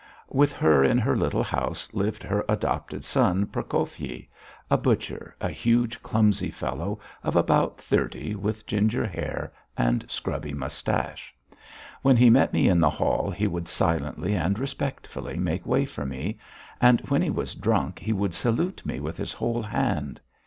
With her in her little house lived her adopted son, Prokofyi, a butcher, a huge, clumsy fellow, of about thirty, with ginger hair and scrubby moustache. When he met me in the hall, he would silently and respectfully make way for me, and when he was drunk he would salute me with his whole hand.